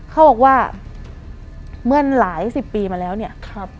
เขาบอกว่าเมื่อหลายสิบปีมาแล้วเนี่ย